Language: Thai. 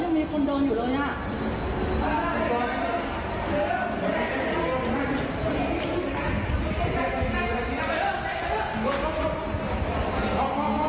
มีคนเดินอยู่โดยน่ะ